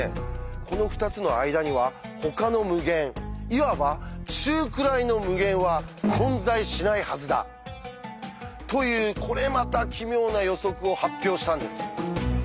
この２つの間にはほかの無限いわば「中くらいの無限」は存在しないはずだ！というこれまた奇妙な予測を発表したんです。